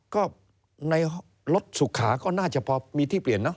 ก็ในรถสุขาก็น่าจะพอมีที่เปลี่ยนเนอ